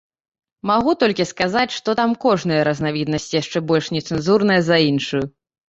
Магу толькі сказаць, што там кожная разнавіднасць яшчэ больш нецэнзурная за іншую.